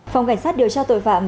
phòng cảnh sát điều tra tội phạm